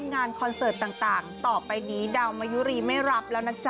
คอนเสิร์ตต่างต่อไปนี้ดาวมะยุรีไม่รับแล้วนะจ๊